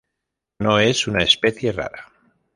No es una especie rara.